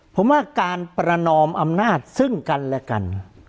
ผมว่าการประนอมอำนาจซึ่งกันและกัน